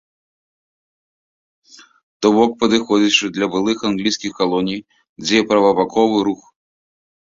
То бок падыходзячы для былых англійскіх калоній, дзе правабаковы рух.